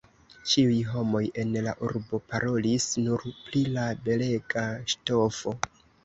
Ĉiuj homoj en la urbo parolis nur pri la belega ŝtofo.